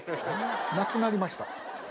なくなりました。